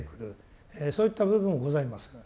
そういった部分もございます。